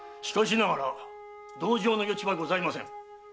しかしながら同情の余地はございません。